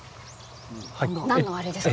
何のあれですか？